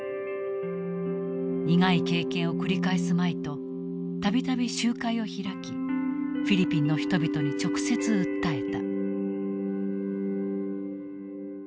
苦い経験を繰り返すまいと度々集会を開きフィリピンの人々に直接訴えた。